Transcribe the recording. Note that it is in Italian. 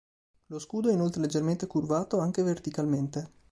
Lo scudo è inoltre leggermente curvato anche verticalmente.